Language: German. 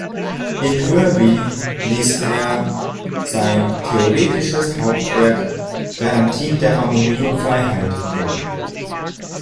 In Vevey ließ er sein theoretisches Hauptwerk "Garantien der Harmonie und Freiheit" drucken.